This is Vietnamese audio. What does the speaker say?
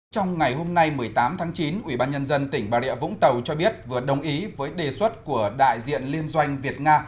trong ngày hôm nay một mươi tám tháng chín ủy ban nhân dân tỉnh bà rịa vũng tàu cho biết vừa đồng ý với đề xuất của đại diện liên doanh việt nga